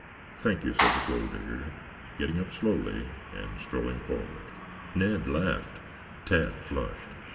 "Thank you," said the Gold Digger, getting up slowly and strolling forward. Ned laughed; Tad flushed.